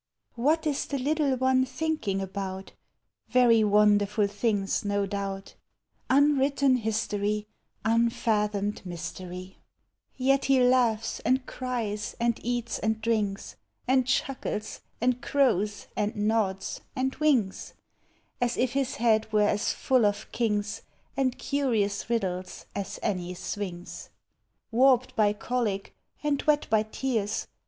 What is the little one thinking about? Very wonderful things, no doubt; Unwritten history ! Unfathoined mystery ! 14 POEMS OF IIOME. Yet he laughs and cries, and eats and drinks, And chuckles, and crows, and nods, and winks, As if his head were as full of kinks And curious riddles as any sphinx! Warped by colic, and wet by tears.